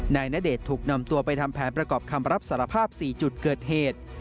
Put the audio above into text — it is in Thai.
ณเดชน์ถูกนำตัวไปทำแผนประกอบคำรับสารภาพ๔จุดเกิดเหตุ